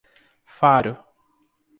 Faro